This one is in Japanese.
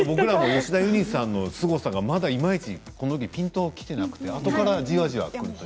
吉田ユニさんのすごさがまだいまいちこのときピンときてなくてあとからじわじわと。